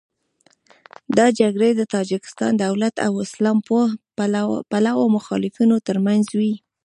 دا جګړې د تاجکستان دولت او اسلام پلوه مخالفینو تر منځ وې.